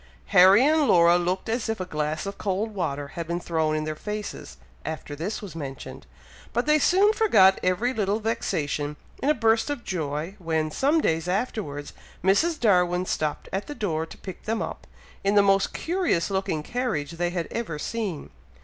Harry and Laura looked as if a glass of cold water had been thrown in their faces, after this was mentioned; but they soon forgot every little vexation, in a burst of joy, when, some days afterwards, Mrs. Darwin stopped at the door to pick them up, in the most curious looking carriage they had ever seen.